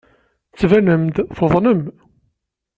Tettbanem-d tuḍnem.